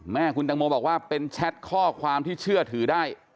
แม่คุณตังโมบอกว่าเป็นแชทข้อความที่เชื่อถือได้